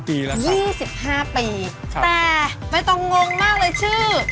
๒๕ปีแต่ใบตองงมากเลยชื่อ